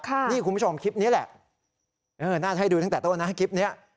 นี่คุณผู้ชมคลิปนี้แหละน่าจะให้ดูตั้งแต่ต้นนะคลิปนี้